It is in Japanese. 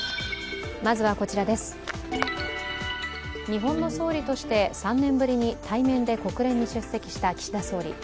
日本の総理として３年ぶりに対面で国連に出席した岸田総理。